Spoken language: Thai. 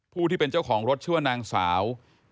ที่เป็นเจ้าของรถชื่อว่านางสาว